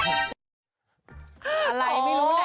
อะไรไม่รู้นะ